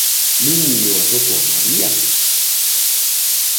Nyinyi ni watoto wa Maria.